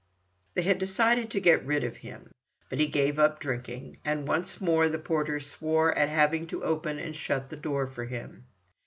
They had decided to get rid of him; but he gave up drinking, and once more the porter swore at having to open and shut the door for him.